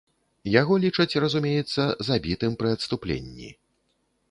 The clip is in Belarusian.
Яго лічаць, разумеецца, забітым пры адступленні.